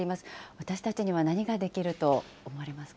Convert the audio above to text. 私たちには何ができると思われますか。